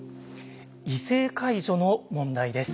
異性介助の問題です。